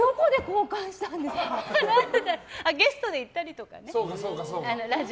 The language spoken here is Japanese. ゲストで行ったりとかね。